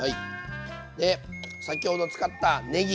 で先ほど使ったねぎ